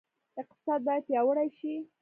اقتصاد باید پیاوړی شي